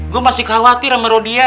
gue masih khawatir sama rodia